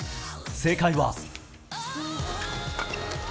正解は。